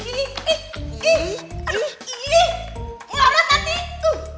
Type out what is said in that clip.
nih percaya sama ini nih